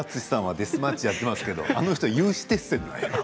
デスマッチやってるけどあの人は有刺鉄線ですよ。